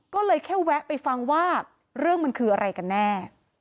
ก็เลยแค่แวะไปฟังว่าเรื่องมันคืออะไรกันแน่